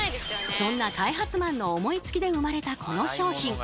そんな開発マンの思いつきで生まれたこの商品。